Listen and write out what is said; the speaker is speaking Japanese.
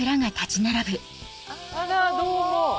あらどうも。